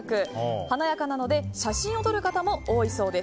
華やかなので写真を撮る方も多いそうです。